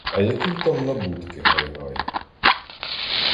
А які там набутки, гай-гай!